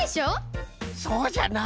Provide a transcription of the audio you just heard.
そうじゃな。